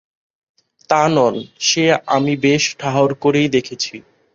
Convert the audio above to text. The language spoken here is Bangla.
তা নন, সে আমি বেশ ঠাহর করেই দেখেছি।